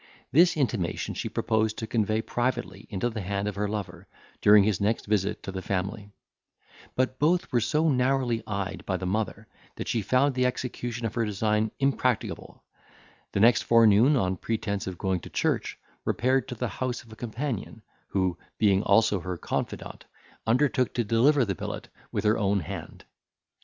This intimation she proposed to convey privately into the hand of her lover, during his next visit to the family; but both were so narrowly eyed by the mother, that she found the execution of her design impracticable; and next forenoon, on pretence of going to church, repaired to the house of a companion, who, being also her confidant, undertook to deliver the billet with her own hand.